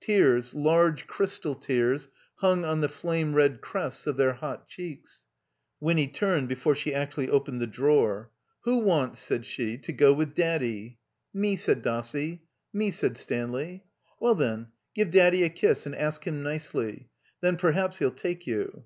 Tears, large crys tal tears, htmg on the flame red crests of their hot cheeks. Winny turned before she actually opened the drawer. "Who wants," said she, "to go with Daddy?" "Me," said Dossie. Me," said Stanley. 'Well, then, give Daddy a kiss and ask him nicely. Then perhaps he'll take you."